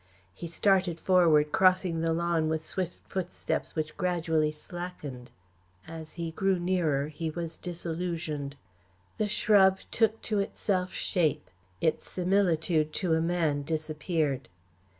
He started forward, crossing the lawn with swift footsteps which gradually slackened. As he grew nearer he was disillusioned. The shrub took to itself shape. Its similitude to a man disappeared.